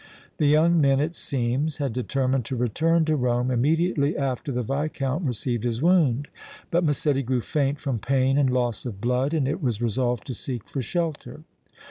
The young men, it seems, had determined to return to Rome immediately after the Viscount received his wound, but Massetti grew faint from pain and loss of blood and it was resolved to seek for shelter.